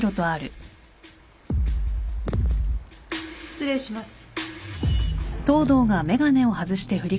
・失礼します。